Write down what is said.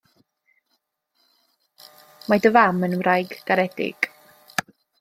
Mae dy fam yn wraig garedig.